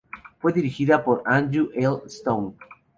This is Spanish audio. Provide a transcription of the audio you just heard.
Fue dirigida por Andrew L. Stone.